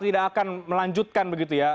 tidak akan melanjutkan